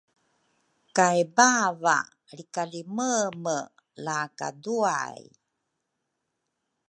kay bava lrikaliememe la kaduay.